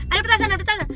ada petasan ada petasan